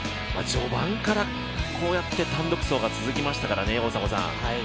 序盤からこうやって単独走が続きましたからね。